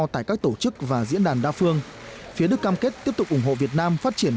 tại các tổ chức và diễn đàn đa phương phía đức cam kết tiếp tục ủng hộ việt nam phát triển